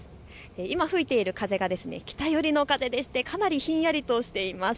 今、吹いている風が北寄りの風でしてかなりひんやりとしています。